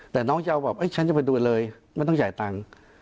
แต่น้องจะเอาแบบฉันจะไปดูเลยไม่ต้องจ่ายตังค์